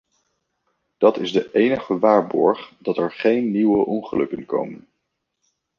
Dat is de enige waarborg dat er geen nieuwe ongelukken komen.